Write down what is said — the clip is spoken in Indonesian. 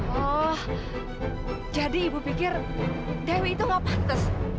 oh jadi ibu pikir dewi itu gak pantas